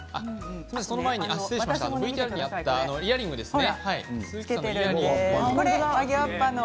その前にＶＴＲにあったイヤリングですね。